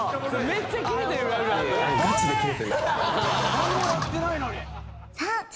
何もやってないのに！